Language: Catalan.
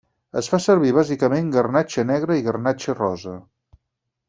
Es fa servir bàsicament garnatxa negra i garnatxa rosa.